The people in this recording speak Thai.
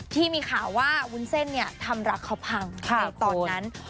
ที่มีข่าวว่าวุ้นเส้นนี้ทำลักเค้าผังค่ะตอนนั้น